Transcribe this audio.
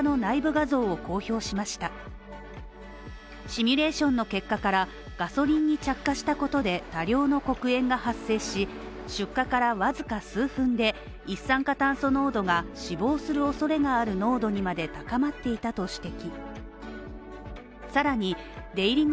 シミュレーションの結果から、ガソリンに着火したことで、多量の黒煙が発生し出火からわずか数分で一酸化炭素濃度が死亡する恐れがある濃度にまで高まっていたと指摘。